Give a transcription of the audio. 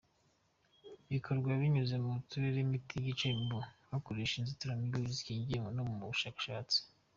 Bigakorwa, binyuze mu gutera imiti yica umubu, gukoresha inzitiramibu zikingiye no mu bushakashatsi.